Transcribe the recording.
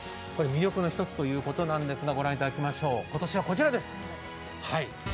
魅力の１つということなんですが、御覧いただきましょう、今年はこちらです。